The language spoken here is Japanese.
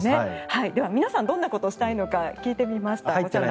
では皆さんどういうことをしたいのか聞いてみました、こちら。